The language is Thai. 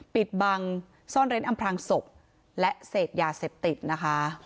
ปิดบังซ่อนเร้นอำพลางศพและเสพยาเสพติดนะคะ